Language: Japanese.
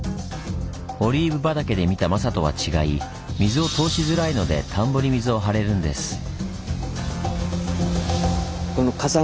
オリーブ畑で見たマサとは違い水を通しづらいので田んぼに水をはれるんです。